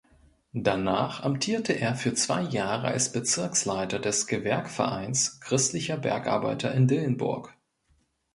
Danach amtierte er für zwei Jahre als Bezirksleiter des Gewerkvereins christlicher Bergarbeiter in Dillenburg.